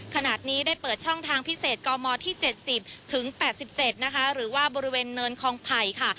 ขณะนี้ได้เปิดช่องทางพิเศษกมที่๗๐ถึง๘๗นะคะหรือว่าบริเวณเนินคองไผ่ค่ะ